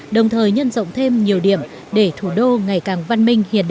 đồng thời nhân rộng thêm nhiều điểm để thủ đô ngày càng văn minh hiện đại